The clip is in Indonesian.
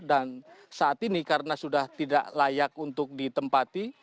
dan saat ini karena sudah tidak layak untuk ditempati